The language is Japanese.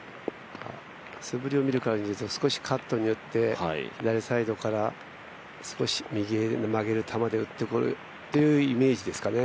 素振りを見る感じだとカットして左サイドから少し右へ曲げる球で打ってというイメージですかね。